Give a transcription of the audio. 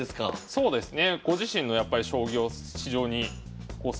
そうですね。